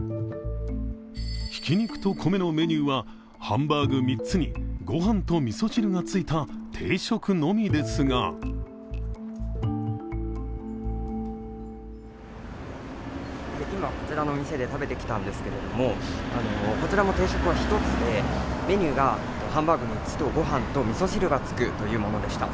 挽肉と米のメニューはハンバーグ３つに、御飯とみそ汁がついた定食のみですが今、こちらの店で食べてきたんですけれども、こちらも定食は１つで、メニューはハンバーグ３つと御飯と、みそ汁がつくというものでした。